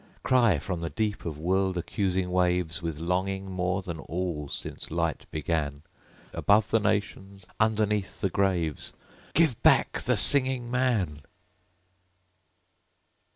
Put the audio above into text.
Cry, from the deep of world accusing waves, With longing more than all since Light began, Above the nations, underneath the graves, 'Give back the Singing Man!'